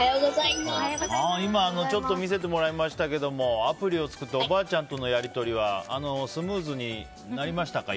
今、ちょっと見せてもらいましたけどもアプリを作っておばあちゃんとのやり取りはスムーズになりましたか？